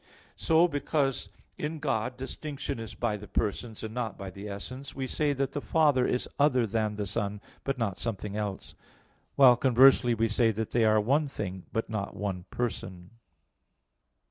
So, because in God distinction is by the persons, and not by the essence, we say that the Father is other than the Son, but not something else; while conversely we say that they are one thing, but not one person.